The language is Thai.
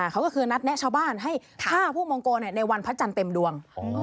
เขาก็คือนัดแนะชาวบ้านให้ฆ่าผู้มงโกในวันพระจันทร์เต็มดวง